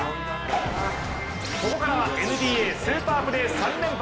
ここからはＮＢＡスーパープレー３連発。